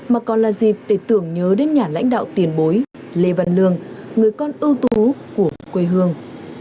mà còn là dịp để tưởng nhớ đến nhà lãnh đạo tiền bối lê văn lương người con ưu tú của quê hương